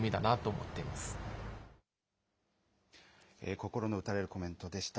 心の打たれるコメントでした。